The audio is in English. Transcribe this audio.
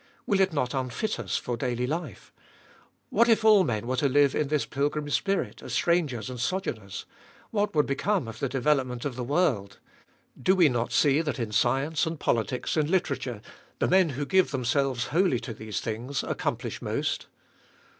Will it not unfit us for daily life ? What if all men were to live in this pilgrim spirit, as strangers and sojourners? What would become of the development of the world ? Do we not see that in science and politics and literature the men who give themselves wholly to these things, accomplish most?